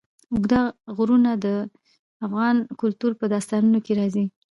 اوږده غرونه د افغان کلتور په داستانونو کې راځي.